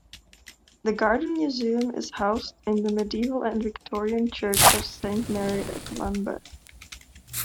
The Garden Museum is housed in the medieval and Victorian church of Saint Mary-at-Lambeth.